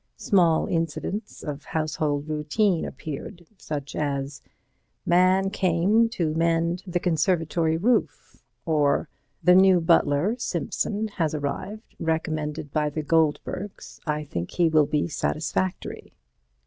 Small incidents of household routine appeared, such as: "Man came to mend the conservatory roof," or "The new butler ( Simpson) has arrived, recommended by the Goldbergs. I think he will be satisfactory."